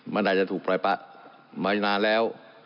มันอาจจะถูกปล่อยปะมานานแล้ว